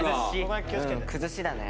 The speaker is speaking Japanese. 崩しだね。